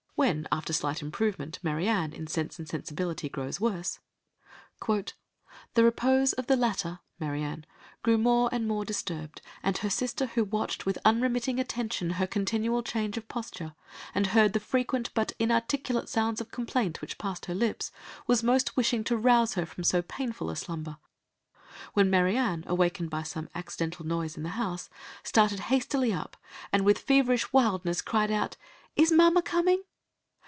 When, after a slight improvement, Marianne, in Sense and Sensibility, grows worse— "The repose of the latter [Marianne] grew more and more disturbed; and her sister who watched with unremitting attention her continual change of posture, and heard the frequent but inarticulate sounds of complaint which passed her lips, was most wishing to rouse her from so painful a slumber, when Marianne, awakened by some accidental noise in the house, started hastily up, and, with feverish wildness cried out, 'Is mamma coming?